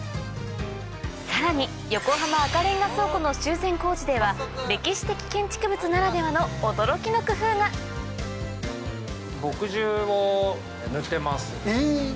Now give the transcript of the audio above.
さらに横浜赤レンガ倉庫の修繕工事では歴史的建築物ならではの驚きの工夫がえ⁉